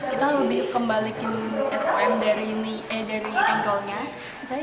kita lebih kembalikan rom dari angle nya